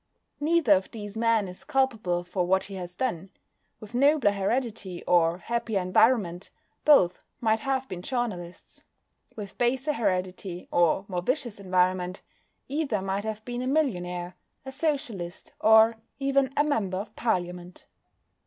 Neither of these men is culpable for what he has done. With nobler heredity, or happier environment, both might have been journalists; with baser heredity, or more vicious environment, either might have been a millionaire, a Socialist, or even a Member of Parliament.